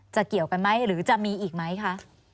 เกี่ยวกันไหมหรือจะมีอีกไหมคะ